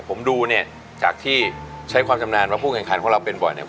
ผมดูเนี่ยจากที่ใช้ความชำนาญว่าผู้แข่งขันของเราเป็นบ่อยเนี่ย